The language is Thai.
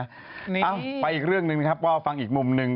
เอ้าไปอีกเรื่องหนึ่งนะครับก็ฟังอีกมุมหนึ่ง